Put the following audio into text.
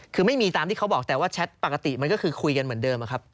คือไม่มีตามที่เขาบอกแต่ว่าแชทปกติมันก็คือคุยกันเหมือนเดิมครับ